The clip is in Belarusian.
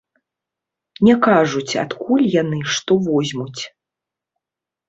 Не кажуць адкуль яны што возьмуць.